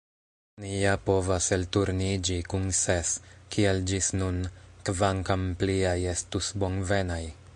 Ni ja povas elturniĝi kun ses, kiel ĝis nun, kvankam pliaj estus bonvenaj.